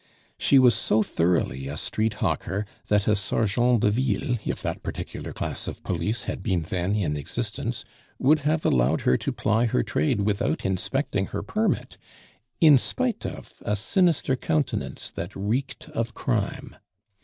She was so thoroughly a street hawker that a Sergeant de Ville, if that particular class of police had been then in existence, would have allowed her to ply her trade without inspecting her permit, in spite of a sinister countenance that reeked of crime.